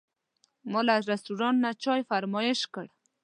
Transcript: ما له رستورانت نه چای فرمایش کړ.